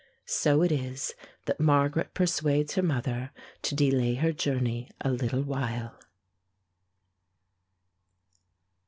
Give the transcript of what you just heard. So it is that Margaret persuades her mother to delay her journey a little while.